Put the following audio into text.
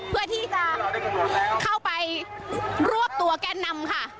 เพื่อที่จะเข้าไปรวบตัวแกนนำค่ะ